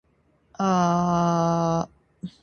自分のパソコンで、いつでも自分のペースで受講できる